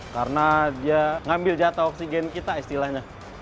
karena dia ngambil jatuh oksigen kita istilahnya